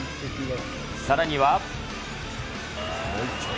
さらには。